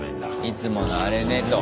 いつものあれねと。